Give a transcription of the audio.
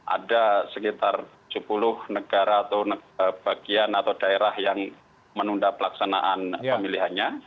ada sekitar sepuluh negara atau bagian atau daerah yang menunda pelaksanaan pemilihannya